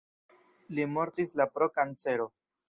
Li mortis la pro kancero.